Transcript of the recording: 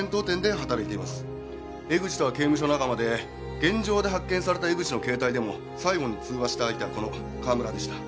江口とは刑務所仲間で現場で発見された江口の携帯でも最後に通話した相手はこの川村でした。